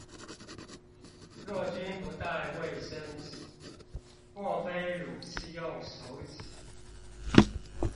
若君不帶衛生紙，莫非汝是用手指